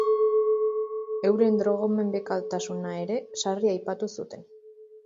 Euren drogomendekotasuna ere sarri aipatu zuten.